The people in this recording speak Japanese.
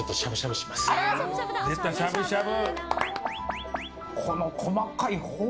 出た、しゃぶしゃぶ！